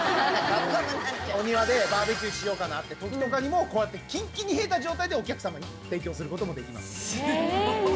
お庭でバーベキューしようかなって時とかにもこうやってキンキンに冷えた状態でお客さまに提供することもできます。